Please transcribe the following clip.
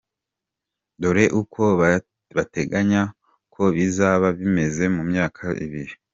Dore uko bateganya ko bizaba bimeze mu myaka ibiri.